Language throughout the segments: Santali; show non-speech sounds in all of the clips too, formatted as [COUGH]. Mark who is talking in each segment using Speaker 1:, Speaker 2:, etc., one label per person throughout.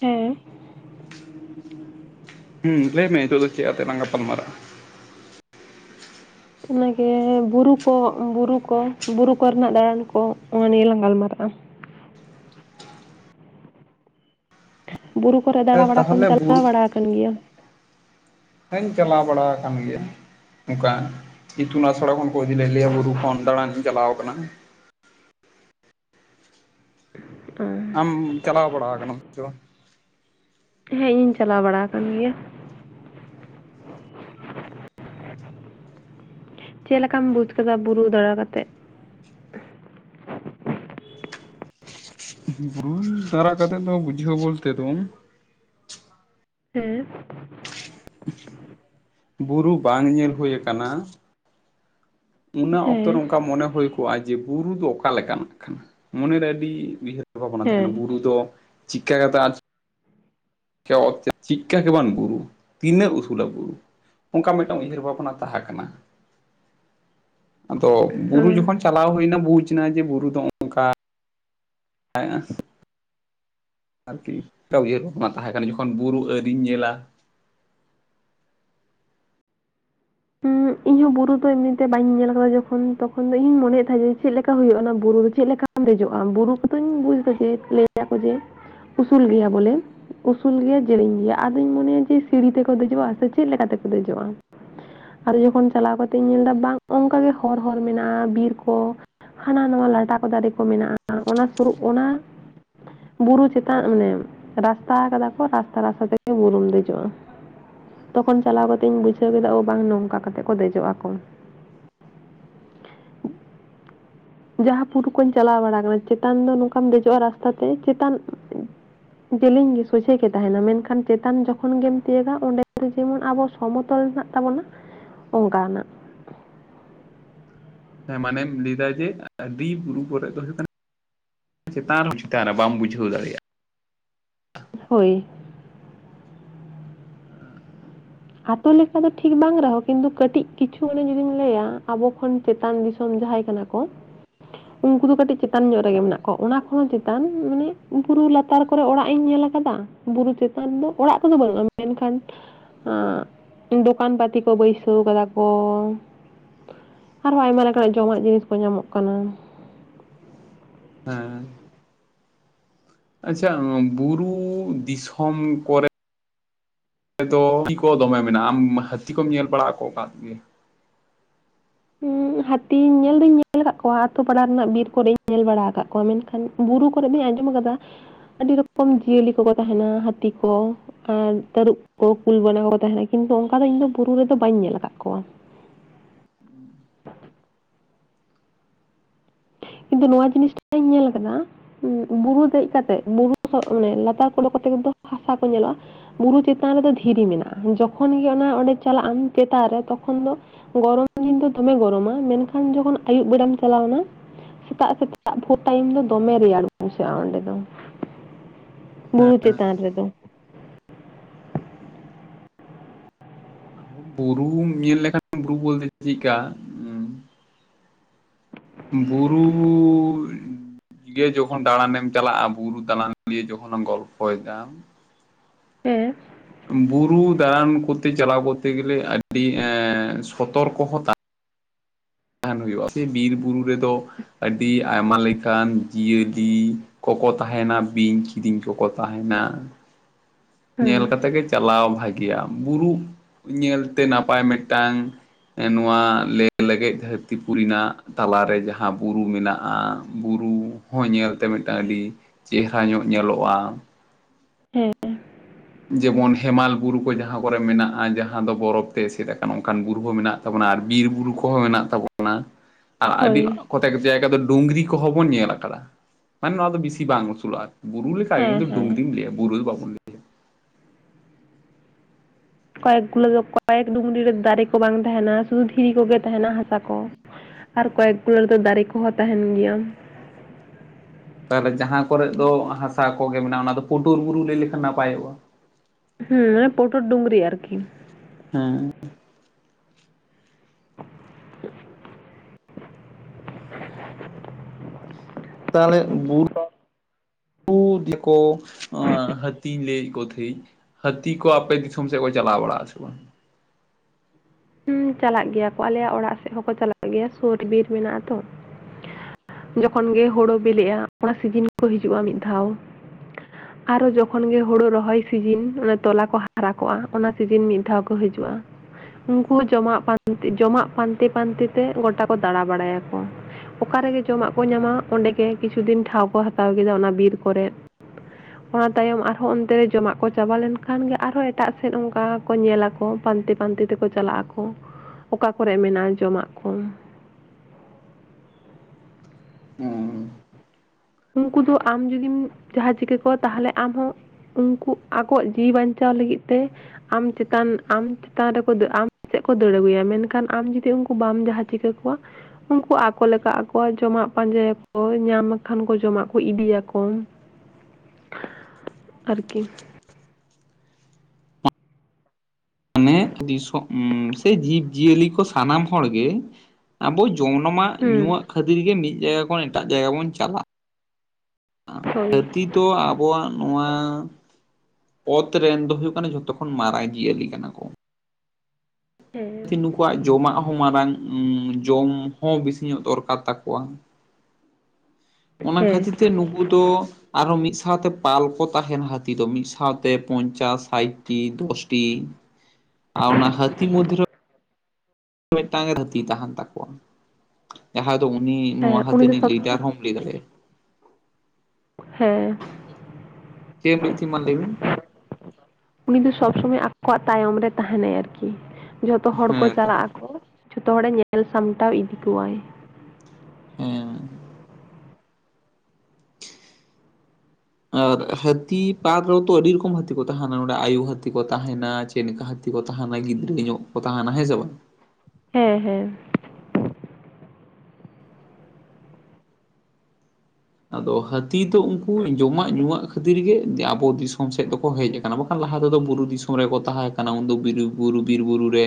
Speaker 1: ᱦᱮᱸ,
Speaker 2: ᱦᱮᱸ ᱞᱟᱹᱭ ᱢᱮ ᱱᱤᱛᱚᱜ ᱫᱚ ᱪᱮᱫ ᱦᱟᱛᱮ ᱞᱟᱝ ᱜᱟᱯᱟᱞ ᱢᱟᱨᱟᱜᱼᱟ?
Speaker 1: ᱚᱱᱟᱜᱮ ᱵᱩᱨᱩ ᱠᱚ ᱵᱩᱨᱩ ᱠᱚ ᱵᱩᱨᱩ ᱠᱚᱨᱮᱱᱟᱜ ᱫᱟᱬᱟᱱ ᱠᱚ ᱚᱱᱟ ᱱᱤᱭᱮ ᱞᱟᱝ ᱜᱟᱞ ᱢᱟᱨᱟᱜᱼᱟ, ᱵᱩᱨᱩ ᱠᱚᱨᱮ
Speaker 2: ᱦᱮᱸ
Speaker 1: ᱫᱟᱬᱟ ᱵᱟᱲᱟ ᱠᱚᱢ
Speaker 2: ᱛᱟᱦᱚᱞᱮ
Speaker 1: ᱪᱟᱞᱟᱣ
Speaker 2: ᱵᱩᱨᱩ
Speaker 1: ᱵᱟᱲᱟ ᱟᱠᱟᱱ ᱜᱮᱭᱟ?
Speaker 2: ᱦᱮᱧ ᱪᱟᱞᱟᱣ ᱵᱟᱲᱟ ᱟᱠᱟᱱ ᱜᱮᱭᱟ ᱚᱱᱠᱟ, ᱤᱛᱩᱱ ᱟᱥᱲᱟ ᱠᱷᱚᱱ ᱠᱚ ᱤᱫᱤ ᱞᱮᱫ ᱞᱮᱭᱟ ᱵᱩᱨᱩ ᱠᱷᱚᱱ ᱫᱟᱬᱟᱱᱤᱧ ᱪᱟᱞᱟᱣ ᱟᱠᱟᱱᱟ,
Speaker 1: ᱚᱸ,
Speaker 2: ᱟᱢ ᱪᱟᱞᱟᱣ ᱵᱟᱲᱟ ᱟᱠᱟᱱᱟᱢ ᱥᱮᱵᱟᱝ?
Speaker 1: ᱦᱮᱸ ᱤᱧᱤᱧ ᱪᱟᱞᱟᱣ ᱵᱟᱲᱟ ᱟᱠᱟᱱ ᱜᱮᱭᱟ, ᱪᱮᱫ ᱞᱮᱠᱟᱢ ᱵᱩᱡ ᱠᱮᱫᱟ ᱵᱩᱨᱩ ᱫᱟᱬᱟ ᱠᱟᱛᱮᱫ?
Speaker 2: ᱵᱩᱨᱩ ᱫᱟᱨᱟ ᱠᱟᱛᱮᱫ ᱫᱚ ᱵᱩᱡᱷᱟᱹᱣ ᱵᱚᱞᱛᱮ ᱫᱚ,
Speaker 1: ᱦᱮᱸ,
Speaker 2: ᱵᱩᱨᱩ ᱵᱟᱝ ᱧᱮᱞ ᱦᱩᱭ ᱟᱠᱟᱱᱟ, ᱚᱱᱟ ᱚᱠᱛᱚ ᱨᱮ
Speaker 1: ᱦᱮᱸ
Speaker 2: ᱱᱚᱝᱠᱟ ᱢᱚᱱᱮ ᱦᱩᱭ ᱠᱚᱜᱼᱟ ᱡᱮ ᱵᱩᱨᱩ ᱫᱚ ᱚᱠᱟ ᱞᱮᱠᱟᱱᱟᱜ ᱠᱟᱱᱟ ᱢᱚᱱᱮᱨᱮ ᱟᱹᱰᱤ ᱩᱭᱦᱟᱹᱨ, ᱵᱷᱟᱱᱟ ᱛᱟᱦᱮᱸ
Speaker 1: ᱦᱮᱸ
Speaker 2: ᱠᱟᱱᱟ ᱵᱩᱨᱩ ᱫᱚ ᱪᱤᱠᱟ ᱠᱟᱛᱮᱫ [UNINTELLIGIBLE] ᱛᱤᱱᱟᱹᱜ ᱩᱥᱩᱞᱟ ᱵᱩᱨᱩ? ᱚᱱᱠᱟ ᱢᱤᱫᱴᱟᱝ ᱩᱭᱦᱟᱹᱨ ᱵᱷᱟᱵᱽᱱᱟ ᱛᱟᱦᱮᱸ ᱠᱟᱱᱟ, ᱟᱫᱚ ᱵᱩᱨᱩ
Speaker 1: ᱦᱮᱸ
Speaker 2: ᱡᱚᱠᱷᱚᱱ ᱪᱟᱞᱟᱣ ᱦᱩᱭᱱᱟ ᱵᱩᱡᱽ ᱮᱱᱟ ᱡᱮ ᱵᱩᱨᱩ ᱫᱚ ᱚ [UNINTELLIGIBLE] ᱟᱨᱠᱤ ᱚᱝᱠᱟ ᱩᱭᱦᱟᱹᱨ ᱵᱷᱟᱵᱱᱟ ᱛᱟᱦᱮᱸ ᱠᱟᱱᱟ ᱡᱚᱠᱷᱚᱱ ᱵᱩᱨᱩ ᱟᱹᱨᱤᱧ ᱧᱮᱞᱟ᱾
Speaker 1: ᱤᱧ ᱦᱚᱸ ᱵᱩᱨᱩ ᱫᱚ ᱮᱢᱱᱤᱛᱮ ᱵᱟᱹᱧ ᱧᱮᱞ ᱟᱠᱟᱫᱟ ᱡᱚᱠᱷᱚᱱ ᱛᱚᱠᱷᱚᱱ ᱫᱚ ᱤᱧ ᱢᱚᱱᱭᱮᱫ ᱛᱟᱦᱮᱸᱫ ᱡᱮ ᱪᱮᱫ ᱞᱮᱠᱟ ᱦᱩᱭᱩᱜ-ᱟ ᱚᱱᱟ ᱵᱩᱨᱩ ᱫᱚ ᱪᱮᱫ ᱞᱮᱠᱟ ᱢ ᱫᱮᱡᱚᱜᱼᱟ, ᱵᱩᱨᱩ ᱠᱚᱫᱚᱧ ᱵᱩᱡᱽᱫᱟ ᱡᱮ ᱞᱟᱹᱭᱟᱠᱚ ᱡᱮ, ᱩᱥᱩᱞ ᱜᱮᱭᱟ ᱵᱚᱞᱮ ᱩᱥᱩᱞ ᱜᱮᱭᱟ ᱡᱤᱲᱮᱧ ᱜᱮᱭᱟ ᱟᱫᱚᱧ ᱢᱚᱱᱮᱭᱟ ᱡᱮ ᱥᱤᱲᱤ ᱛᱮᱠᱚ ᱫᱮᱡᱚᱜᱼᱟ ᱥᱮ ᱪᱮᱫ ᱞᱮᱠᱟ ᱛᱮᱠᱚ ᱫᱮᱡᱚᱜᱼᱟ᱾ ᱟᱨ ᱡᱚᱠᱷᱚᱱ ᱪᱟᱞᱟᱣ ᱠᱟᱛᱮᱧ ᱧᱮᱞᱫᱟ ᱵᱟᱝ ᱚᱝᱠᱟ ᱜᱮ ᱦᱚᱨ ᱦᱚᱨ ᱢᱮᱱᱟᱜᱼᱟ ᱵᱤᱨ ᱠᱚ, ᱦᱟᱱᱟ ᱱᱚᱣᱟ ᱞᱟᱴᱟ ᱠᱚ ᱫᱟᱨᱮ ᱠᱚ ᱢᱮᱱᱟᱜᱼᱟ ᱚᱱᱟ ᱥᱩᱨ ᱚᱱᱟ ᱵᱩᱨᱩ ᱪᱮᱛᱟᱱ ᱢᱟᱱᱮ ᱨᱟᱥᱛᱟ ᱟᱠᱟᱫᱟ ᱠᱚ ᱨᱟᱥᱛᱟ ᱨᱟᱥᱛᱟ ᱛᱮᱜᱮ ᱵᱩᱨᱩᱢ ᱫᱮᱡᱚᱜᱼᱟ᱾ ᱛᱚᱠᱷᱚᱱ ᱪᱟᱞᱟᱣ ᱠᱟᱛᱮᱧ ᱵᱩᱡᱷᱟᱹᱣ ᱠᱮᱫᱟ ᱚ ᱵᱟᱝ ᱱᱚᱝᱠᱟ ᱠᱟᱛᱮᱜ ᱠᱚ ᱫᱮᱡᱚᱜ ᱟᱠᱚ᱾ ᱡᱟᱦᱟᱸ ᱯᱩᱨᱩ ᱠᱚᱧ ᱪᱟᱞᱟᱣ ᱵᱟᱲᱟ ᱠᱟᱱᱟ ᱪᱮᱛᱟᱱ ᱫᱚ ᱱᱚᱝᱠᱟᱢ ᱫᱮᱡᱚᱜᱼᱟ ᱨᱟᱥᱛᱟ ᱛᱮ ᱪᱮᱛᱟᱱ ᱡᱮᱞᱮᱧ ᱜᱮ ᱥᱚᱡᱷᱮ ᱜᱮ ᱛᱟᱦᱮᱸᱱᱟ, ᱢᱮᱱᱠᱷᱟᱱ ᱪᱮᱛᱟᱱ ᱡᱚᱠᱷᱚᱱ ᱜᱮᱢ ᱛᱤᱭᱟᱹᱜᱟ ᱚᱸᱰᱮ ᱫᱚ ᱡᱮᱢᱚᱱ ᱟᱵᱚ ᱥᱚᱢᱚᱛᱚᱞ ᱢᱮᱱᱟᱜ ᱛᱟᱵᱚᱱᱟ, ᱚᱝᱠᱟᱱᱟᱜ᱾
Speaker 2: ᱦᱮᱸ ᱢᱟᱱᱮᱢ ᱞᱟᱹᱭᱫᱟ ᱡᱮ ᱟᱹᱰᱤ ᱵᱩᱨᱩ ᱠᱚᱨᱮ ᱫᱚ ᱦᱩᱭᱩᱜ ᱠᱟᱱᱟ ᱪᱮᱛᱟᱱ ᱨᱮ, ᱪᱮᱛᱟᱱ ᱨᱮ ᱵᱟᱢ ᱵᱩᱡᱷᱟᱹᱣ ᱫᱟᱲᱮᱭᱟᱜ
Speaker 1: ᱦᱳᱭ᱾
Speaker 2: ᱚᱻ᱾
Speaker 1: ᱟᱛᱳ ᱞᱮᱠᱟ ᱫᱚ ᱴᱷᱤᱠ ᱵᱟᱝ ᱨᱮᱦᱚᱸ ᱠᱤᱱᱛᱩ ᱠᱟᱹᱴᱤᱡ ᱠᱤᱪᱷᱩ ᱜᱟᱱ ᱚᱸᱰᱮ ᱡᱩᱫᱤᱢ ᱞᱟᱹᱭᱟ ᱟᱵᱚ ᱠᱷᱚᱱ ᱪᱮᱛᱟᱱ ᱫᱤᱥᱚᱢ ᱡᱟᱦᱟᱸᱭ ᱠᱟᱱᱟ ᱠᱚ, ᱩᱝᱠᱩ ᱫᱚ ᱠᱟᱹᱴᱤᱡ ᱪᱮᱛᱟᱱ ᱧᱚᱜ ᱨᱮᱜᱮ ᱢᱮᱱᱟᱜ ᱠᱚᱣᱟ ᱚᱱᱟ ᱠᱷᱚᱱ ᱦᱚᱸ ᱪᱮᱛᱟᱱ ᱢᱟᱱᱮ ᱵᱩᱨᱩ ᱞᱟᱛ ᱛᱟᱨ ᱠᱚᱨᱮ ᱚᱲᱟᱜ ᱤᱧ ᱧᱮᱞ ᱟᱠᱟᱫᱟ, ᱵᱩᱨᱩ ᱪᱮᱛᱟᱱ ᱫᱚ ᱚᱲᱟᱜ ᱠᱚᱫᱚ ᱵᱟᱹᱱᱩᱜᱼᱟ ᱢᱮᱱᱠᱷᱟᱱ ᱟᱸᱻᱫᱚᱠᱟᱱ ᱯᱟᱛᱤ ᱠᱚ ᱵᱟᱹᱭᱥᱟᱹᱣ ᱠᱟᱫᱟ ᱠᱚ, ᱟᱨᱦᱚᱸ ᱟᱭᱢᱟ ᱞᱮᱠᱟᱱᱟᱜ ᱡᱚᱢᱟᱜ ᱡᱤᱱᱤᱥ ᱠᱚ ᱧᱟᱢᱚᱜ ᱠᱟᱱᱟ᱾
Speaker 2: ᱦᱮᱸᱻ᱾ ᱟᱪᱪᱷᱟ ᱵᱩᱨᱩ ᱫᱤᱥᱚᱢ ᱠᱚᱨᱮ ᱫᱚ ᱦᱟᱹᱛᱤ ᱠᱚ ᱫᱚᱢᱮ ᱢᱮᱱᱟᱜᱼᱟ, ᱟᱢ ᱦᱟᱹᱛᱤ ᱠᱚᱢ ᱧᱮᱞ ᱵᱟᱲᱟ ᱠᱚ ᱠᱟᱫ ᱵᱟᱲᱟ ᱜᱮᱭᱟ?
Speaker 1: ᱩᱸᱷ ᱦᱟᱹᱛᱤᱧ ᱧᱮᱞ ᱫᱩᱧ ᱧᱮᱞ ᱟᱠᱟᱫ ᱠᱚᱣᱟ ᱟᱛᱳ ᱯᱟᱲᱟ ᱨᱮᱱᱟᱜ ᱵᱤᱨ ᱠᱚᱨᱮᱧ ᱧᱮᱞ ᱵᱟᱲᱟ ᱟᱠᱟᱫ ᱠᱚᱣᱟ ᱢᱮᱱᱠᱷᱟᱱ ᱵᱩᱨᱩ ᱠᱚᱨᱮ ᱫᱩᱧ ᱟᱸᱡᱚᱢ ᱟᱠᱟᱫᱟ, ᱟᱹᱰᱤ ᱨᱚᱠᱚᱢ ᱡᱤᱭᱟᱹᱞᱤ ᱠᱚᱠᱚ ᱛᱟᱦᱮᱸᱱᱟ ᱦᱟᱹᱛᱤ ᱠᱚ, ᱟᱨ ᱛᱟᱹᱨᱩᱵ ᱠᱚ, ᱠᱩᱞ ᱟᱵᱱᱟ ᱠᱚᱠᱚ ᱛᱟᱦᱮᱸᱱᱟ ᱠᱤᱱᱛᱩ ᱚᱝᱠᱟ ᱫᱚ ᱤᱧ ᱫᱚ ᱵᱩᱨᱩ ᱨᱮᱫᱚ ᱵᱟᱧ ᱧᱮᱞ ᱟᱠᱟᱫ ᱠᱚᱣᱟ᱾
Speaker 2: ᱦᱩᱸ᱾
Speaker 1: ᱤᱧ ᱫᱚ ᱱᱚᱣᱟ ᱡᱤᱱᱤᱥᱴᱟᱧ ᱧᱮᱞ ᱟᱠᱟᱫᱟ ᱩᱸ ᱵᱩᱨᱩ ᱫᱮᱡ ᱠᱟᱛᱮᱜ ᱵᱩᱨᱩ ᱢᱟᱱᱮ ᱞᱟᱛᱟᱨ ᱠᱚᱫᱚ ᱠᱟᱛᱮ ᱠᱚᱫᱚ ᱦᱟᱥᱟ ᱠᱚ ᱧᱮᱞᱚᱜᱼᱟ, ᱵᱩᱨᱩ ᱪᱮᱛᱟᱱ ᱨᱮᱫᱚ ᱫᱷᱤᱨᱤ ᱢᱮᱱᱟᱜᱼᱟ ᱡᱚᱠᱷᱚᱱ ᱜᱮ ᱚᱱᱟ ᱚᱸᱰᱮ ᱪᱟᱞᱟᱜ ᱟᱢ ᱪᱮᱛᱟᱱ ᱨᱮ ᱛᱚᱠᱷᱚᱱ ᱫᱚ, ᱜᱚᱨᱚᱢ ᱫᱤᱱ ᱫᱚ ᱫᱚᱢᱮ ᱜᱚᱨᱚᱢᱟ ᱢᱮᱱᱠᱷᱟᱱ ᱡᱚᱠᱷᱚᱱ ᱟᱹᱭᱩᱵ ᱵᱮᱲᱟᱢ ᱪᱟᱞᱟᱣᱮᱱᱟ, ᱥᱮᱛᱟᱜ ᱥᱮᱛᱟᱜ ᱵᱷᱳᱨ ᱴᱟᱭᱤᱢ ᱫᱚ ᱫᱚᱢᱮ ᱨᱮᱭᱟᱲ ᱵᱩᱡᱷᱟᱹᱜᱼᱟ ᱚᱸᱰᱮ ᱫᱚ᱾ ᱵᱩᱨᱩ ᱪᱮᱛᱟᱱ ᱨᱮᱫᱚ᱾
Speaker 2: ᱦᱚᱸᱢ ᱵᱩᱨᱩ ᱠᱩᱢ ᱧᱮᱞ ᱞᱮᱠᱷᱟᱱ ᱵᱩᱨᱩ ᱵᱚᱞᱛᱮ ᱪᱮᱫᱠᱟ ᱵᱩᱨᱩᱻ ᱜᱮ ᱡᱚᱠᱷᱚᱱ ᱫᱟᱬᱟᱱᱮᱢ ᱪᱟᱞᱟᱜᱼᱟ ᱵᱩᱨᱩ ᱫᱟᱬᱟᱱ ᱞᱤᱭᱮ ᱡᱚᱠᱷᱚᱱᱮᱢ ᱜᱚᱞᱯᱷᱚᱭᱮᱫᱟᱢ
Speaker 1: ᱦᱮᱸ᱾
Speaker 2: ᱵᱩᱨᱩ ᱫᱟᱬᱟᱱ ᱠᱚᱛᱮ ᱪᱟᱞᱟᱣ ᱠᱚᱨᱛᱮ ᱜᱮᱞᱮ ᱟᱹᱰᱤ ᱮᱸᱻ ᱥᱚᱛᱚᱨᱠᱚ ᱦᱚᱸ ᱛᱟ ᱛᱟᱦᱮᱸᱱ ᱦᱩᱭᱩᱜᱼᱟ ᱥᱮ ᱵᱤᱨ ᱵᱩᱨᱩ ᱨᱮᱫᱚ ᱟᱹᱰᱤ ᱟᱭᱢᱟ ᱞᱮᱠᱟᱱ ᱡᱤᱭᱟᱹᱞᱤ ᱠᱚᱠᱚ ᱛᱟᱦᱮᱸᱱᱟ ᱵᱤᱧ, ᱠᱤᱫᱤᱧ ᱠᱚᱠᱚ ᱛᱟᱦᱮᱱᱟ ᱾
Speaker 1: ᱦᱮᱸ
Speaker 2: ᱧᱮᱞ ᱠᱟᱛᱮᱜ ᱜᱮ ᱪᱟᱞᱟᱣ ᱵᱷᱟᱹᱜᱤᱭᱟ ᱵᱩᱨᱩ ᱧᱮᱞᱛᱮ ᱱᱟᱯᱟᱭ ᱢᱤᱫᱴᱟᱝ ᱱᱚᱣᱟ ᱞᱮᱟᱹᱭ ᱞᱟᱹᱜᱤᱫ ᱫᱷᱟᱹᱨᱛᱤ ᱯᱩᱨᱩᱨᱤᱱᱟᱜ ᱛᱟᱞᱟᱨᱮ ᱡᱟᱦᱟᱸ ᱵᱩᱨᱩ ᱢᱮᱱᱟᱜᱼᱟ ᱵᱩᱨᱩ ᱦᱚᱸ ᱧᱮᱞᱛᱮ ᱢᱤᱫᱴᱟᱝ ᱟᱹᱰᱤ ᱪᱮᱦᱨᱟ ᱧᱚᱜ ᱧᱮᱞᱚᱜᱼᱟ ᱾
Speaker 1: ᱦᱮᱸᱮᱸ ᱾
Speaker 2: ᱡᱮᱢᱚᱱ ᱦᱮᱢᱟᱞ ᱵᱩᱨᱩ ᱠᱚ ᱡᱟᱦᱟᱸ ᱠᱚᱨᱮ ᱢᱮᱱᱟᱜᱼᱟ ᱡᱟᱦᱟᱸ ᱫᱚ ᱵᱚᱨᱚᱯᱷ ᱛᱮ ᱮᱥᱮᱫ ᱟᱠᱟᱱ ᱚᱱᱠᱟᱱ ᱵᱩᱨᱩ ᱦᱚᱸ ᱢᱮᱱᱟᱜ ᱛᱟᱵᱩᱱᱟ ᱟᱨ ᱵᱤᱨ ᱵᱩᱨᱩ ᱠᱚᱦᱚᱸ ᱢᱮᱱᱟᱜ ᱛᱟᱵᱚᱱᱟ ᱾ ᱟᱨ ᱟᱹᱰᱤ
Speaker 1: ᱦᱳᱭ
Speaker 2: ᱠᱚᱛᱮᱜ ᱡᱟᱭᱜᱟ ᱫᱚ ᱰᱩᱝᱨᱤ ᱠᱚᱦᱚᱸ ᱵᱚᱱ ᱧᱮᱞ ᱟᱠᱟᱫᱟ ᱢᱟᱱᱮ ᱱᱚᱣᱟ ᱫᱚ ᱵᱤᱥᱤ ᱵᱟᱝ ᱩᱥᱩᱞᱚᱜᱼᱟᱨ ᱠᱤ ᱾ ᱵᱩᱨᱩ ᱞᱮᱠᱟ ᱜᱮ
Speaker 1: ᱦᱮᱸ
Speaker 2: ᱤᱧᱫᱚ
Speaker 1: ᱦᱮᱸ
Speaker 2: ᱰᱩᱝᱨᱤᱧ ᱞᱟᱹᱭᱟ ᱵᱩᱨᱩᱨ ᱫᱚ ᱵᱟᱵᱚᱱ ᱞᱟᱹᱭ ᱾
Speaker 1: ᱠᱚᱭᱮᱠ ᱜᱩᱞᱟᱹ ᱫᱚ ᱠᱚᱭᱮᱠ ᱰᱩᱝᱨᱤ ᱨᱮ ᱫᱟᱨᱮ ᱠᱚ ᱵᱟᱝ ᱛᱟᱦᱮᱱᱟ ᱥᱩᱫᱩ ᱫᱷᱤᱨᱤ ᱠᱚᱜᱮ ᱛᱟᱦᱮᱱᱟ ᱦᱟᱥᱟ ᱟᱨ ᱠᱚᱭᱮᱠ ᱜᱩᱞᱟᱹ ᱨᱮᱫᱚ ᱫᱟᱨᱮ ᱠᱚᱦᱚᱸ ᱛᱟᱦᱮᱱ ᱜᱮᱭᱟ ᱾
Speaker 2: ᱛᱟᱦᱚᱞᱮ ᱡᱟᱦᱟᱸ ᱠᱚᱨᱮᱜ ᱫᱚ ᱦᱟᱥᱟ ᱠᱚᱜᱮ ᱢᱮᱱᱟᱜᱼᱟ ᱚᱱᱟ ᱫᱚ ᱯᱩᱴᱩᱨ ᱵᱩᱨᱩ ᱞᱟᱹᱭ ᱞᱮᱠᱷᱟᱱ ᱫᱚ ᱱᱟᱯᱟᱭᱚᱜᱼᱟ ᱾
Speaker 1: ᱦᱩᱸ ᱯᱚᱴᱚᱨ ᱰᱩᱝᱨᱤ ᱟᱨᱠᱤ ᱾
Speaker 2: ᱦᱮᱸ ᱾
Speaker 1: [INAUDIBLE]
Speaker 2: ᱛᱟᱦᱚᱞᱮ ᱵᱩᱨᱩ ᱵᱩ ᱫᱤ ᱠᱚ ᱦᱟᱹᱛᱤᱧ ᱞᱟᱹᱭ ᱠᱚ ᱛᱟᱦᱮᱜ ᱦᱟᱹᱛᱤ ᱠᱚ ᱟᱯᱮ ᱫᱤᱥᱼᱼ ᱥᱮᱫᱠᱚ ᱪᱟᱞᱟᱣ ᱵᱟᱲᱟᱜ ᱟ ᱥᱮ ᱵᱟᱝ?
Speaker 1: ᱦᱩᱸ ᱪᱟᱞᱟᱜ ᱜᱮᱭᱟ ᱠᱚ ᱟᱞᱮᱭᱟᱜ ᱚᱲᱟᱜ ᱥᱮᱫ ᱦᱚᱸᱠᱚ ᱪᱟᱞᱟᱜ ᱜᱮᱭᱟ ᱥᱳᱨ ᱵᱤᱨ ᱢᱮᱱᱟᱜ ᱟ ᱛᱚ ᱾ ᱡᱚᱠᱷᱚᱱ ᱜᱮ ᱦᱳᱲᱳ ᱵᱤᱞᱤᱜᱼᱟ ᱚᱱᱟ ᱥᱤᱡᱤᱱ ᱜᱮᱠᱚ ᱦᱤᱡᱩᱜᱼᱟ ᱢᱤᱫ ᱫᱷᱟᱣ ᱾ ᱟᱨᱚ ᱡᱚᱠᱷᱚᱱ ᱜᱮ ᱦᱳᱲᱳ ᱨᱚᱦᱚᱭ ᱥᱤᱡᱤᱱ ᱚᱱᱟ ᱛᱚᱞᱟ ᱠᱚ ᱦᱟᱨᱟ ᱠᱚᱜᱼᱟ ᱚᱱᱟ ᱥᱤᱡᱤᱱ ᱢᱤᱫ ᱫᱷᱟᱣ ᱠᱚ ᱦᱤᱡᱩᱜᱼᱟ ᱾ ᱩᱱᱠᱩ ᱡᱚᱢᱟᱜ ᱯᱟᱱ ᱡᱚᱢᱟᱜ ᱯᱟᱱᱛᱮ ᱯᱟᱱᱛᱮ ᱛᱮ ᱜᱚᱴᱟ ᱠᱚ ᱫᱟᱬᱟ ᱵᱟᱲᱟᱭ ᱟᱠᱚ ᱾ ᱚᱠᱟ ᱨᱮᱜᱮ ᱡᱚᱢᱟᱜ ᱠᱚ ᱧᱟᱢ-ᱟ ᱚᱸᱰᱮᱜᱮ ᱠᱤᱪᱷᱩ ᱫᱤᱱ ᱴᱷᱟᱶ ᱠᱚ ᱦᱟᱛᱟᱣ ᱠᱮᱫᱟ ᱚᱱᱟ ᱵᱤᱨ ᱠᱚᱨᱮᱜ ᱾ [INAUDIBLE] ᱚᱱᱟ ᱛᱟᱭᱚᱢ ᱟᱨᱦᱚᱸ ᱚᱱᱛᱮ ᱨᱮ ᱡᱚᱢᱟᱜ ᱠᱚ ᱪᱟᱵᱟ ᱞᱮᱱᱠᱷᱟᱱ ᱜᱮ ᱟᱨᱦᱚᱸ ᱮᱴᱟᱜ ᱥᱮᱫ ᱚᱱᱠᱟ ᱠᱚ ᱧᱮᱞᱟᱠᱚ ᱯᱟᱱᱛᱮ ᱯᱟᱱᱛᱮ ᱛᱮᱠᱚ ᱪᱟᱞᱟᱜ ᱟᱠᱚ ᱚᱠᱟ ᱠᱚᱨᱮ ᱢᱮᱱᱟᱜᱼᱟ ᱡᱚᱢᱟᱜ ᱠᱚ ᱾
Speaker 2: ᱦᱩᱸ ᱾
Speaker 1: ᱩᱱᱠᱩ ᱫᱚ ᱟᱢ ᱡᱩᱫᱤᱢ ᱡᱟᱦᱟᱸ ᱪᱤᱠᱟᱹ ᱠᱚᱣᱟ ᱛᱟᱦᱚᱞᱮ ᱟᱢᱦᱚᱸ ᱩᱱᱠᱩ ᱟᱠᱚᱣᱟᱜ ᱡᱤᱣᱤ ᱵᱟᱧᱪᱟᱣ ᱞᱟᱹᱜᱤᱫ ᱛᱮ ᱟᱢ ᱪᱮᱛᱟᱱ ᱟᱢ ᱪᱮᱛᱟᱱ ᱨᱮᱠᱚ ᱟᱢ ᱥᱮᱫ ᱠᱚ ᱫᱟᱹᱲ ᱟᱹᱜᱩᱭᱟ ᱢᱮᱱᱠᱷᱟᱱ ᱟᱢ ᱡᱩᱫᱤ ᱩᱱᱠᱩ ᱵᱟᱢ ᱡᱟᱦᱟᱸ ᱪᱤᱠᱟᱹ ᱠᱚᱣᱟ ᱩᱱᱠᱩ ᱟᱠᱚ ᱞᱮᱠᱟ ᱟᱠᱚᱣᱟᱜ ᱡᱚᱢᱟᱜ ᱯᱟᱸᱡᱟᱭᱟᱠᱚ ᱧᱟᱢ ᱠᱷᱟᱱ ᱠᱚ ᱡᱚᱢᱟᱜ ᱠᱚ ᱤᱫᱤᱭᱟᱠᱚ ᱟᱨᱠᱤ ᱾
Speaker 2: ᱢᱟᱱᱮ ᱫᱤᱥᱚᱢ ᱥᱮ ᱡᱤᱵᱽ ᱡᱤᱭᱟᱹᱞᱤ ᱠᱚ ᱥᱟᱱᱟᱢ ᱦᱚᱲ ᱜᱮ ᱟᱵᱚ ᱡᱚᱱᱚᱢᱟᱜ
Speaker 1: ᱦᱩᱸ
Speaker 2: ᱧᱩᱣᱟᱜ ᱠᱷᱟᱹᱛᱤᱨ ᱜᱮ ᱢᱤᱫ ᱡᱟᱭᱜᱟ ᱠᱷᱚᱱ ᱮᱴᱟᱜ ᱡᱟᱭᱜᱟ ᱵᱚᱱ ᱪᱟᱞᱟᱜᱼᱟ
Speaker 1: ᱦᱳᱭ
Speaker 2: ᱫᱷᱟᱹᱨᱛᱤ ᱫᱚ ᱟᱵᱚᱣᱟᱜ ᱱᱚᱣᱟ ᱚᱛ ᱨᱮᱱ ᱫᱚ ᱦᱩᱭᱩᱜ ᱠᱟᱱᱟ ᱡᱷᱚᱛᱚ ᱠᱷᱚᱱ ᱢᱟᱨᱟᱝ ᱡᱤᱭᱟᱹᱞᱤ ᱠᱟᱱᱟ ᱠᱚ ᱾
Speaker 1: ᱦᱮᱸ ᱾
Speaker 2: ᱩᱱᱠᱩᱣᱟᱜ ᱡᱚᱢᱟᱜ ᱦᱚᱸ ᱢᱟᱨᱟᱝ ᱡᱚᱢ ᱦᱚᱸ ᱵᱮᱥᱤ ᱧᱚᱜ ᱫᱚᱨᱠᱟᱨ ᱠᱟᱱ ᱛᱟᱠᱚᱣᱟ ᱚᱱᱟ
Speaker 1: ᱦᱮᱸ
Speaker 2: ᱠᱷᱟᱹᱛᱤᱨ ᱛᱮ ᱱᱩᱠᱩ ᱫᱚ ᱟᱨᱚ ᱢᱤᱫ ᱥᱟᱶᱛᱮ ᱯᱟᱞ ᱠᱚ ᱛᱟᱦᱮᱱ ᱦᱟᱹᱛᱤ ᱫᱚ ᱢᱤᱫ ᱥᱟᱶᱛᱮ ᱯᱚᱧᱪᱟᱥ ᱥᱟᱴᱴᱤ ᱫᱚᱥᱴᱤ ᱾
Speaker 1: [UNINTELLIGIBLE]
Speaker 2: ᱟᱨ ᱚᱱᱟ ᱦᱟᱹᱛᱤ ᱢᱩᱫ ᱨᱮ ᱢᱤᱫᱴᱟᱝ ᱦᱟᱹᱛᱤ ᱛᱟᱦᱮᱱ ᱛᱟᱠᱚᱣᱟ ᱡᱟᱦᱟᱸᱭ ᱫᱚ ᱩᱱᱤ ᱱᱚᱣᱟ
Speaker 1: ᱦᱮᱸ
Speaker 2: ᱦᱟᱹᱛᱤ
Speaker 1: ᱩᱱᱤ ᱫᱚ
Speaker 2: ᱨᱤᱱᱤᱡ
Speaker 1: ᱥᱚᱵᱽ
Speaker 2: ᱞᱤᱰᱟᱨ
Speaker 1: ᱥᱚᱢᱚᱭ
Speaker 2: ᱦᱚᱸ ᱞᱟᱹᱭ ᱫᱟᱲᱮᱜ-ᱟ
Speaker 1: ᱦᱮᱸ
Speaker 2: ᱪᱮᱫ ᱮᱢ ᱞᱟᱹᱭᱟᱹᱛ ᱛᱟᱦᱮᱸᱜ ᱢᱟ ᱞᱟᱹᱭ ᱢᱮ ᱾
Speaker 1: ᱩᱱᱤ ᱫᱚ ᱥᱚᱵᱽ ᱥᱚᱢᱚᱭ ᱟᱠᱚᱣᱟᱜ ᱛᱟᱭᱚᱢ ᱨᱮ ᱛᱟᱦᱮᱱᱟᱭ ᱟᱨᱠᱤ ᱡᱚᱛᱚ ᱦᱚᱲ ᱠᱚ
Speaker 2: ᱦᱮᱸ
Speaker 1: ᱪᱟᱞᱟᱜ
Speaker 2: ᱛᱟᱦᱮᱸ
Speaker 1: ᱟᱠᱚ ᱡᱷᱚᱛᱚ ᱦᱚᱲᱮ ᱧᱮᱞ ᱥᱟᱢᱴᱟᱣ ᱤᱫᱤ ᱠᱚᱣᱟᱭ᱾
Speaker 2: ᱦᱮᱸ ᱟᱨ ᱦᱟᱹᱛᱤ ᱯᱟᱨᱚ ᱛᱚ ᱟᱹᱰᱤ ᱨᱚᱠᱚᱢ ᱦᱟᱹᱛᱤ ᱠᱚ ᱛᱟᱦᱮᱱᱟ ᱱᱚᱰᱮ ᱟᱭᱳ ᱦᱟᱹᱛᱤ ᱠᱚ ᱛᱟᱦᱮᱱᱟ ᱪᱮᱱᱜᱟ ᱦᱟᱹᱛᱤ ᱠᱚ ᱛᱟᱦᱮᱱᱟ ᱜᱤᱫᱽᱨᱟᱹ ᱧᱚᱜ ᱠᱚ ᱛᱟᱦᱮᱱᱟ ᱦᱮᱸ ᱥᱮ ᱵᱟᱝ᱾
Speaker 1: ᱦᱮᱸ ᱦᱮᱸ᱾
Speaker 2: ᱟᱫᱚ ᱦᱟᱹᱛᱤ ᱫᱚ ᱩᱱᱠᱩ ᱡᱚᱢᱟᱜ ᱧᱩᱣᱟᱜ ᱠᱷᱟᱹᱛᱤᱨ ᱜᱮ ᱟᱵᱚ ᱫᱤᱥᱚᱢ ᱥᱮᱫ ᱫᱚᱠᱚ ᱦᱮᱡ᱾ ᱠᱟᱱᱟ ᱵᱟᱠᱷᱟᱱ ᱞᱟᱦᱟ ᱛᱮᱫᱚ ᱵᱩᱨᱩ ᱫᱤᱥᱚᱢ ᱨᱮᱠᱚ ᱛᱟᱦᱮᱸ ᱠᱟᱱᱟ ᱩᱱ ᱫᱚ ᱵᱤᱨ ᱵᱩᱨᱩ ᱵᱤᱨ ᱵᱩᱨᱩ ᱨᱮ᱾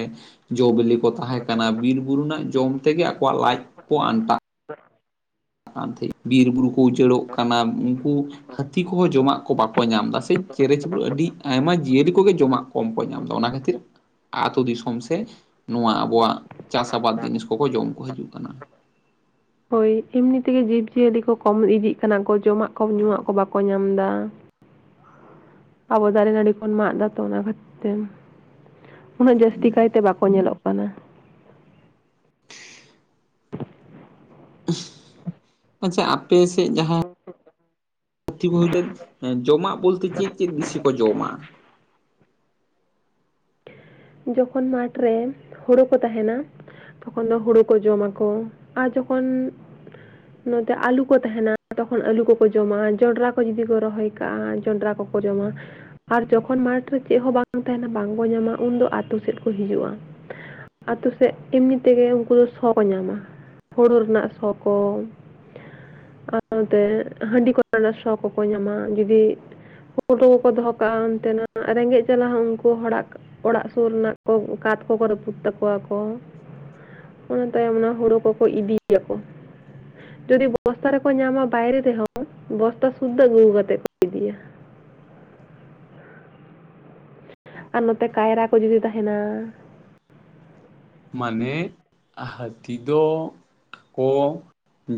Speaker 2: ᱡᱚ ᱵᱤᱞᱤ ᱠᱚ ᱛᱟᱦᱮᱸ ᱠᱟᱱᱟ ᱵᱤᱨ ᱵᱩᱨᱩ ᱨᱮᱱᱟᱜ ᱡᱚᱢ ᱛᱮᱜᱮ ᱟᱠᱚᱣᱟᱜ ᱞᱟᱡ ᱠᱚ ᱟᱱᱴᱟᱜ᱾
Speaker 1: [INAUDIBLE]
Speaker 2: ᱟᱱᱛᱮ ᱵᱤᱨ ᱵᱩᱨᱩ ᱠᱚ ᱩᱡᱟᱹᱲᱚᱜ ᱠᱟᱱᱟ ᱩᱱᱠᱩ᱾ ᱦᱟᱹᱛᱤ ᱠᱚᱦᱚᱸ ᱡᱚᱢᱟᱜ ᱠᱚ ᱵᱟᱠᱚ ᱧᱟᱢ ᱫᱟ ᱥᱮ ᱪᱮᱨᱮ ᱪᱤᱯᱲᱩ ᱟᱹᱰᱤ ᱟᱭᱢᱟ ᱡᱤᱭᱟᱹᱞᱤ ᱠᱚᱜᱮ ᱡᱚᱢᱟᱜ᱾ ᱠᱚᱢ ᱠᱚ ᱧᱟᱢ ᱫᱟ ᱚᱱᱟ ᱠᱷᱟᱹᱛᱤᱨ᱾ ᱟᱛᱳ ᱫᱤᱥᱚᱢ ᱥᱮ ᱱᱚᱣᱟ ᱟᱵᱚᱣᱟᱜ ᱪᱟᱥ ᱟᱵᱟᱫᱽ ᱡᱤᱱᱤᱥ ᱠᱚᱠᱚ ᱡᱚᱢ ᱠᱚ ᱦᱤᱡᱩᱜ ᱠᱟᱱᱟ᱾
Speaker 1: ᱦᱳᱭ ᱮᱢᱱᱤ ᱛᱮᱜᱮ ᱡᱤᱵᱽ ᱡᱤᱭᱟᱹᱞᱤ ᱠᱚ ᱠᱚᱢ ᱤᱫᱤᱜ ᱠᱟᱱᱟ ᱠᱚ ᱡᱚᱢᱟᱜ ᱠᱚ ᱧᱩᱣᱟᱜ ᱠᱚ ᱵᱟᱠᱚ ᱧᱟᱢ ᱮᱫᱟ᱾ ᱟᱵᱚ ᱫᱟᱨᱮ ᱱᱟᱹᱲᱤ ᱵᱚᱱ ᱢᱟᱜ ᱫᱟ ᱛᱚ ᱚᱱᱟ ᱠᱷᱟᱛᱤᱨ ᱩᱱᱟᱹᱜ ᱡᱟᱹᱥᱛᱤ ᱠᱟᱭᱛᱮ ᱵᱟᱠᱚ ᱧᱮᱞᱚᱜ᱾ ᱠᱟᱱᱟ᱾
Speaker 2: ᱟᱪᱪᱷᱟ ᱟᱯᱮ ᱥᱮᱜ ᱡᱟᱦᱟᱸ᱾
Speaker 1: [UNINTELLIGIBLE]
Speaker 2: [UNINTELLIGIBLE] ᱦᱩᱭ ᱞᱮᱱ ᱡᱚᱢᱟᱜ ᱵᱚᱞᱛᱮ ᱪᱮᱫ ᱪᱮᱫ ᱵᱤᱥᱤ ᱠᱚ ᱡᱚᱢᱟ᱾
Speaker 1: ᱡᱚᱠᱷᱚᱱ ᱢᱟᱴᱷᱨᱮ ᱦᱳᱲᱳ ᱠᱚ ᱛᱟᱦᱮᱱᱟ᱾ ᱛᱚᱠᱷᱚᱱ ᱫᱚ ᱦᱳᱲᱳ ᱠᱚ ᱡᱚᱢ ᱟᱠᱚ ᱟᱨ ᱡᱚᱠᱷᱚᱱ᱾ ᱱᱚᱛᱮ ᱟᱞᱩ ᱠᱚ ᱛᱟᱦᱮᱱᱟ ᱛᱚᱠᱷᱚᱱ ᱟᱹᱞᱩ ᱠᱚᱠᱚ ᱡᱚᱢᱟ-ᱟ ᱡᱚᱸᱰᱨᱟ ᱠᱚ ᱡᱩᱫᱤ ᱠᱚ ᱨᱚᱦᱚᱭ᱾ ᱠᱟᱜ-ᱟ ᱡᱚᱸᱱᱰᱨᱟ ᱠᱚᱠᱚ ᱡᱚᱢᱟ ᱟᱨ ᱡᱚᱠᱷᱚᱱ ᱢᱟᱴᱷ ᱨᱮ ᱪᱮᱜ ᱦᱚᱸ ᱵᱟᱝ ᱛᱟᱦᱮᱱᱟ ᱵᱟᱝ ᱠᱚ ᱧᱟᱢᱟ᱾ ᱩᱱᱫᱚ ᱟᱛᱳ ᱥᱮᱫ ᱠᱚ ᱦᱤᱡᱩᱜ-ᱟ ᱟᱛᱳ ᱥᱮᱜ ᱮᱢᱱᱤ ᱛᱮᱜᱮ ᱩᱱᱠᱩ ᱫᱚ ᱥᱚ ᱧᱟᱢᱟ᱾ ᱦᱩᱲᱩ ᱨᱮᱱᱟᱜ ᱥᱚ ᱠᱚ᱾ ᱥᱟᱶᱛᱮ ᱦᱟᱹᱰᱤ ᱠᱚᱨᱮᱱᱟᱜ ᱥᱚ ᱠᱚᱠᱚ ᱧᱟᱢᱟ ᱡᱩᱫᱤ᱾ ᱦᱳᱲᱳ ᱠᱚ ᱠᱚ ᱫᱚᱦᱚ ᱠᱟᱜ-ᱟ ᱚᱱᱛᱮᱱᱟᱜ ᱨᱮᱸᱜᱮᱡ ᱡᱟᱞᱟ ᱦᱚᱸ ᱩᱱᱠᱩ ᱦᱚᱲᱟᱜ᱾ ᱚᱲᱟᱜ ᱥᱩᱨ ᱨᱮᱱᱟᱜ ᱠᱚ ᱠᱟᱸᱛ ᱠᱚᱠᱚ ᱨᱟᱹᱯᱩᱫ ᱛᱟᱠᱚᱣᱟ ᱠᱚ᱾ ᱚᱱᱟ ᱛᱟᱭᱚᱢ ᱚᱱᱟ ᱦᱳᱲᱳ ᱠᱚᱠᱚ ᱤᱫᱤᱭᱟᱠᱚ᱾ ᱡᱩᱫᱤ ᱵᱚᱥᱛᱟ ᱨᱮᱠᱚ ᱧᱟᱢᱟ ᱵᱟᱭᱨᱮ ᱨᱮᱦᱚᱸ ᱵᱚᱥᱛᱟ ᱥᱩᱫᱽᱫᱟᱹ ᱜᱮ ᱟᱹᱜᱩ ᱠᱟᱛᱮ᱾ ᱟᱨ ᱱᱚᱛᱮ ᱠᱟᱭᱨᱟ ᱠᱚ ᱡᱩᱫᱤ ᱛᱟᱦᱮᱱᱟ᱾
Speaker 2: ᱢᱟᱱᱮ ᱦᱟᱹᱛᱤ ᱫᱚ ᱠᱚ᱾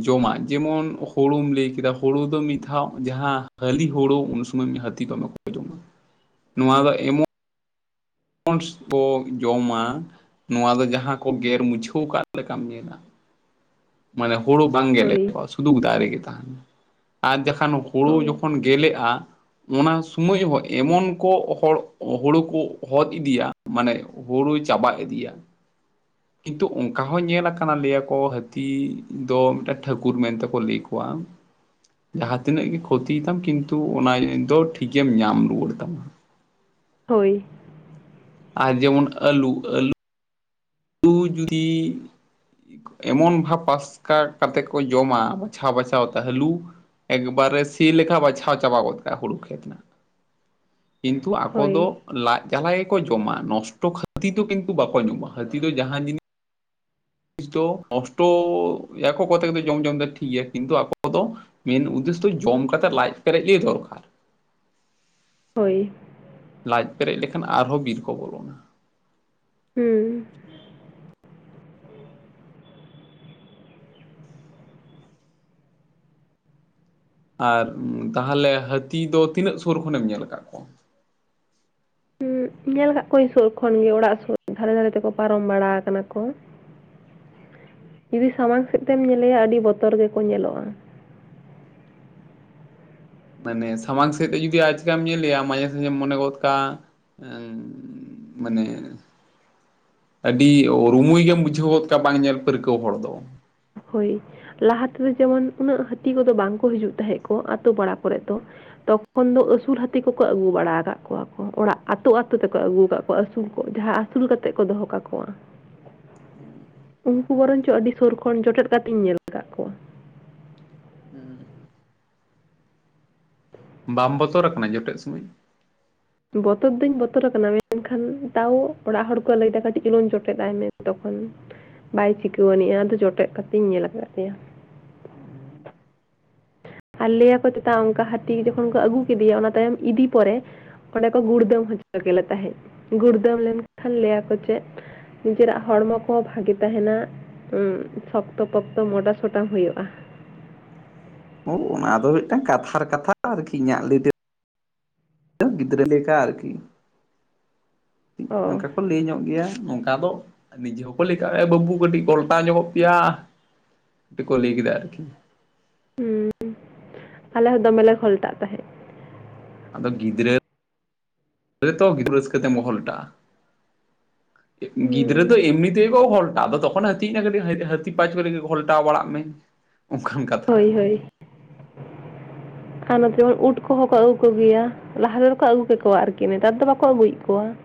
Speaker 2: ᱡᱚᱢᱟᱜ ᱡᱮᱢᱚᱱ ᱦᱳᱲᱳᱢ ᱞᱟᱹᱭ ᱠᱮᱫᱟ ᱦᱳᱲᱳ ᱫᱚ ᱢᱤᱫ ᱫᱷᱟᱣ ᱡᱟᱦᱟᱸ ᱦᱟᱹᱞᱤ ᱦᱳᱲᱳ ᱩᱱ ᱥᱩᱢᱚᱭ ᱦᱟᱹ ᱛᱤ ᱵᱟᱢ [UNINTELLIGIBLE] ᱱᱚᱣᱟ ᱫᱚ ᱮᱢᱚᱱ᱾ ᱚᱱᱟ ᱵᱚ ᱡᱚᱢᱟ ᱱᱚᱣᱟ ᱫᱚ ᱡᱟᱦᱟᱸ ᱠᱚ ᱜᱮᱨ ᱢᱩᱪᱷᱟᱹᱣ ᱠᱟᱜ ᱞᱮᱠᱟᱢ ᱧᱮᱞᱟ᱾ ᱢᱟᱱᱮ ᱦᱳᱲᱳ ᱵᱟᱝ ᱜᱮᱞᱮ
Speaker 1: ᱦᱳᱭ
Speaker 2: ᱠᱚᱜ-ᱟ ᱥᱩᱫᱷᱩ ᱫᱟᱨᱮ ᱜᱮ ᱛᱟᱦᱮᱱᱟ ᱟᱨ ᱡᱟᱦᱟᱱ ᱦᱳᱲᱳ
Speaker 1: ᱦᱳᱭ
Speaker 2: ᱡᱚᱠᱷᱚᱱ᱾ ᱜᱮᱞᱮᱜ-ᱟ᱾ ᱚᱱᱟ ᱥᱩᱢᱟᱹᱡ ᱦᱚᱸ ᱮᱢᱚᱱ ᱠᱚ ᱦᱚᱲ ᱦᱳᱲᱳ ᱠᱚ ᱦᱚᱫ ᱤᱫᱤᱭᱟ ᱢᱟᱱᱮ᱾ ᱦᱳᱲᱳᱭ ᱪᱟᱵᱟ ᱤᱫᱤᱭᱟ ᱠᱤᱱᱛᱩ ᱚᱱᱠᱟ ᱦᱚᱸ ᱧᱮᱞ ᱟᱠᱟᱱᱟ ᱞᱟᱹᱭ ᱟᱠᱚ ᱦᱟᱹ ᱛᱤ ᱫᱚ ᱢᱤᱜᱴᱟ ᱴᱷᱟᱹᱠᱩᱨ ᱢᱮᱱᱛᱮᱠᱚ ᱞᱟᱹᱭ ᱠᱚᱣᱟ᱾ ᱡᱟᱦᱟᱸ ᱛᱤᱱᱟᱹᱜ ᱜᱮ ᱠᱷᱚᱛᱤᱭ ᱛᱟᱢ ᱠᱤᱱᱛᱩ ᱚᱱᱟ ᱤᱭᱟᱹᱭ ᱫᱚ ᱴᱷᱤᱠᱮᱢ ᱧᱟᱢ ᱨᱩᱣᱟᱹᱲ ᱛᱟᱢᱟ᱾
Speaker 1: ᱦᱳᱭ᱾
Speaker 2: ᱟᱨ ᱡᱮᱢᱚᱱ ᱟᱹᱞᱩ ᱟᱹᱞᱩ᱾ ᱞᱩ ᱡᱩᱫᱤ᱾ ᱮᱢᱚᱱ ᱵᱷᱟᱵᱽ ᱯᱟᱥᱠᱟ ᱠᱟᱛᱮ ᱠᱚ ᱡᱚᱢᱟ ᱵᱟᱪᱷᱟᱣ ᱵᱟᱪᱷᱟᱣ ᱛᱮ ᱦᱟᱹᱞᱩ᱾ ᱮᱠᱵᱟᱨᱮ ᱥᱤ ᱞᱮᱠᱷᱟ ᱵᱟᱪᱷᱟᱣ ᱪᱟᱵᱟ ᱜᱚᱫ ᱠᱟᱜ-ᱟ ᱦᱩᱲᱩ ᱠᱷᱮᱛ ᱱᱟᱜ᱾
Speaker 1: [INAUDIBLE]
Speaker 2: ᱠᱤᱱᱛᱩ ᱟᱠᱚ
Speaker 1: ᱦᱳᱭ
Speaker 2: ᱫᱚ ᱞᱟᱡ ᱡᱟᱞᱟ ᱜᱮᱠᱚ ᱡᱚᱢᱟ ᱱᱚᱥᱴᱚ ᱠᱷᱟᱹᱛᱤᱨ ᱫᱚ ᱠᱤᱱᱛᱩ ᱵᱟᱠᱚ ᱡᱚᱢᱟ ᱾ ᱦᱟᱹᱛᱤ ᱫᱚ ᱡᱟᱦᱟᱸ ᱡᱤᱱᱤ ᱤᱥ ᱫᱚ ᱱᱚᱥᱴᱚ ᱮ ᱠᱚᱛᱮ ᱡᱚᱢ ᱡᱚᱢ ᱫᱚ ᱴᱷᱤᱠ ᱜᱮᱭᱟ ᱠᱤᱱᱛᱩ ᱟᱠᱚ ᱫᱚ ᱢᱮᱱ ᱩᱫᱽᱫᱮᱥᱥ ᱫᱚ ᱡᱚᱢ ᱠᱟᱛᱮᱫ ᱞᱟᱡ ᱯᱮᱨᱮᱡ ᱜᱮ ᱫᱚᱨᱠᱟᱨ ᱾
Speaker 1: ᱦᱳᱭ ᱾
Speaker 2: ᱞᱟᱡ ᱯᱮᱨᱮᱡ ᱞᱮᱠᱷᱟᱱ ᱟᱨᱦᱚᱸ ᱵᱤᱨ ᱠᱚ ᱵᱚᱞᱚᱱᱟ ᱾
Speaker 1: ᱦᱩᱸ᱾
Speaker 2: ᱟᱨ ᱛᱟᱦᱚᱞᱮ ᱦᱟᱹᱛᱤ ᱫᱚ ᱛᱤᱱᱟᱹᱜ ᱥᱩᱨ ᱠᱷᱚᱱᱮᱢ ᱧᱮᱞ ᱟᱠᱟᱫ ᱠᱚᱣᱟ?
Speaker 1: ᱦᱩᱸ ᱧᱮᱞ ᱠᱟᱫ ᱠᱚᱣᱟᱹᱧ ᱥᱩᱨ ᱠᱷᱚᱱ ᱜᱮ ᱚᱲᱟᱜ ᱥᱩᱨ ᱫᱷᱟᱨᱮ ᱫᱷᱟᱨᱮ ᱛᱮᱠᱚ ᱯᱟᱨᱚᱢ ᱵᱟᱲᱟ ᱠᱟᱱᱟ ᱠᱚ ᱾ ᱡᱩᱫᱤ ᱥᱟᱢᱟᱝ ᱥᱮᱫ ᱛᱮᱢ ᱧᱮᱞᱮᱭᱟ ᱟᱹᱰᱤ ᱵᱚᱛᱚᱨ ᱜᱮᱠᱚ ᱧᱮᱞᱚᱜ-ᱟ᱾
Speaker 2: ᱢᱟᱱᱮ ᱥᱟᱢᱟᱝ ᱥᱮᱫ ᱛᱮ ᱡᱩᱫᱤ ᱟᱪᱠᱟᱢ ᱧᱮᱞᱮᱭᱟ ᱢᱟᱡᱷᱮ ᱥᱟᱡᱷᱮᱢ ᱢᱚᱱᱮ ᱜᱚᱫ ᱠᱟᱜᱼᱟ ᱮᱻ ᱢᱟᱱᱮ ᱟᱹᱰᱤ ᱨᱩᱢᱩᱭ ᱜᱮᱢ ᱵᱩᱡᱷᱟᱹᱣ ᱜᱚᱫ ᱠᱚᱣᱟ ᱵᱟᱝ ᱧᱮᱞ ᱯᱟᱹᱨᱠᱟᱹᱣ ᱦᱚᱲ ᱫᱚ ᱾
Speaker 1: ᱦᱳᱭ ᱾ ᱞᱟᱦᱟ ᱛᱮᱫᱚ ᱡᱮᱢᱚᱱ ᱩᱱᱟᱹᱜ ᱦᱟᱹᱛᱤ ᱠᱚᱫᱚ ᱵᱟᱝᱠᱚ ᱦᱤᱡᱩᱜ ᱛᱟᱦᱮᱸᱫ ᱠᱚ ᱟᱹᱛᱳ ᱯᱟᱲᱟ ᱠᱚᱨᱮᱜ ᱫᱚ ᱾ ᱛᱚᱠᱷᱚᱱ ᱫᱚ ᱟᱹᱥᱩᱞ ᱦᱟᱹᱛᱤ ᱠᱚᱠᱚ ᱟᱹᱜᱩ ᱵᱟᱲᱟ ᱟᱠᱟᱫ ᱠᱚᱣᱟ ᱠᱚ ᱚᱲᱟᱜ ᱟᱹᱛᱩ ᱟᱹᱛᱩ ᱛᱮᱠᱚ ᱟᱹᱜᱩ ᱟᱠᱟᱫ ᱠᱚᱣᱟ ᱟᱹᱥᱩᱞ ᱠᱚ ᱡᱟᱦᱟᱸ ᱟᱹᱥᱩᱞ ᱠᱟᱛᱮ ᱠᱚ ᱫᱚᱦᱚ ᱠᱟᱠᱚᱣᱟ ᱩᱱᱠᱩ ᱵᱚᱨᱚᱝ ᱪᱚ ᱟᱹᱰᱤ ᱥᱳᱨ ᱠᱷᱚᱱ ᱡᱚᱴᱮᱫ ᱠᱟᱛᱮᱧ ᱧᱮᱞ ᱟᱠᱟᱫ ᱠᱚᱣᱟ
Speaker 2: ᱵᱟᱢ ᱵᱚᱛᱚᱨ ᱟᱠᱟᱱᱟ ᱡᱚᱴᱮᱫ ᱥᱚᱢᱚᱭ?
Speaker 1: ᱵᱚᱛᱚᱨ ᱫᱚᱧ ᱵᱚᱛᱚᱨ ᱟᱠᱟᱱᱟ ᱢᱮᱱᱠᱷᱟᱱ ᱛᱟᱣ ᱚᱲᱟᱜ ᱦᱚᱲ ᱠᱚ ᱞᱟᱹᱭᱫᱟ ᱠᱟᱹᱴᱤᱡ ᱪᱩᱞᱩᱝ ᱡᱚᱴᱮᱫᱼᱟᱭ ᱢᱮ ᱛᱚᱠᱷᱚᱱ ᱾ ᱵᱟᱭ ᱪᱤᱠᱟᱹᱣᱱᱤᱡᱼᱟ ᱟᱫᱚ ᱡᱚᱴᱮᱫ ᱠᱟᱛᱮᱧ ᱧᱮᱞ ᱟᱠᱟᱫ ᱛᱟᱭᱟ ᱾ ᱟᱨ ᱞᱟᱹᱭ ᱟᱠᱚ ᱪᱮᱛᱟ ᱚᱱᱠᱟ ᱦᱟᱹᱛᱤ ᱡᱚᱠᱷᱚᱱ ᱠᱚ ᱟᱹᱜᱩ ᱠᱮᱫᱮᱭᱟ ᱚᱱᱟ ᱛᱟᱭᱚᱢ ᱤᱫᱤ ᱯᱚᱨᱮ ᱚᱸᱰᱮ ᱠᱚ ᱜᱩᱲᱫᱟᱹᱢ ᱦᱚᱪᱚ ᱠᱮᱫᱞᱮ ᱛᱟᱦᱮᱸᱫ ᱜᱩᱲᱫᱟᱹᱢ ᱞᱮᱱᱠᱷᱟᱱ ᱞᱟᱹᱭᱟᱠᱚ ᱪᱮᱫ ᱱᱤᱡᱮᱨᱟᱜ ᱦᱚᱲᱢᱚ ᱠᱚᱦᱚᱸ ᱵᱷᱟᱜᱮ ᱛᱟᱦᱮᱱᱟ ᱾ ᱩ ᱥᱚᱠᱛᱚ ᱯᱚᱠᱛᱚ ᱢᱚᱴᱟ ᱥᱚᱴᱟ ᱦᱩᱭᱩᱜᱼᱟ ᱾
Speaker 2: ᱦᱩ ᱚᱱᱟ ᱫᱚ ᱢᱤᱫᱴᱟᱝ ᱠᱟᱛᱷᱟᱨ ᱠᱟᱛᱷᱟ ᱛᱚ ᱟᱨᱠᱤ ᱤᱧᱟᱹᱜ ᱞᱟᱹᱭ ᱛᱮ ᱜᱤᱫᱽᱨᱟᱹ ᱞᱮᱠᱟ ᱟᱨᱠᱤ ᱾
Speaker 1: ᱚ
Speaker 2: ᱱᱚᱝᱠᱟ ᱞᱟᱹᱭ ᱧᱚᱜ ᱜᱮᱭᱟ ᱱᱚᱝᱠᱟ ᱫᱚ ᱱᱤᱡᱮ ᱦᱚᱸᱠᱚ ᱞᱟᱹᱭ ᱠᱟᱜ ᱜᱮᱭᱟ ᱮ ᱵᱟᱹᱵᱩ ᱠᱟᱹᱴᱤᱡ ᱜᱚᱞᱴᱟᱣ ᱧᱚᱜᱚᱜ ᱯᱮᱭᱟ ᱾ ᱠᱚ ᱞᱟᱹᱭ ᱠᱮᱫᱟ ᱟᱨᱠᱤ ᱾
Speaker 1: ᱦᱩᱸ ᱟᱞᱮ ᱦᱚᱸ ᱫᱚᱢᱮ ᱞᱮ ᱜᱷᱚᱞᱴᱟᱜ ᱛᱟᱦᱮᱸᱫ ᱾
Speaker 2: ᱟᱫᱚ ᱜᱤᱫᱽᱨᱟᱹ ᱛᱚ ᱜᱤᱫᱽᱨᱟᱹ ᱨᱟᱹᱥᱠᱟᱹ ᱛᱮᱢ ᱜᱷᱚᱞᱴᱟᱜᱼᱟ ᱾
Speaker 1: [INAUDIBLE]
Speaker 2: ᱜᱤᱫᱽᱨᱟᱹ ᱫᱚ
Speaker 1: ᱦᱩᱸ
Speaker 2: ᱮᱢᱱᱤ ᱛᱮᱜᱮ ᱠᱚ ᱜᱷᱚᱞᱴᱟᱼᱟ ᱟᱫᱚ ᱛᱚᱠᱷᱚᱱ ᱦᱟᱹᱛᱤᱭ ᱧᱮᱞ ᱠᱟᱫᱮᱭᱟ ᱦᱟᱹᱛᱤ ᱯᱟᱸᱪ ᱠᱚᱨᱮ ᱜᱮ ᱜᱷᱚᱞᱴᱟᱣ ᱵᱟᱲᱟᱜ ᱢᱮ ᱾ [INAUDIBLE]
Speaker 1: ᱦᱳᱭ ᱦᱳᱭ ᱾ ᱟᱨ ᱱᱚᱛᱮ ᱦᱚᱸ ᱩᱴ ᱠᱚᱦᱚᱸ ᱠᱚ ᱟᱹᱜᱩ ᱠᱚ ᱜᱮᱭᱟ ᱞᱟᱦᱟ ᱛᱮ ᱠᱚ ᱟᱹᱜᱩ ᱠᱟᱠᱚᱣᱟ ᱟᱨᱠᱤ ᱱᱮᱛᱟᱨ ᱫᱚ ᱵᱟᱠᱚ ᱟᱹᱜᱩᱭᱮᱫ ᱠᱚᱣᱟ ᱾